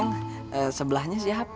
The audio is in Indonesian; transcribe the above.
ngomong sebelahnya siapa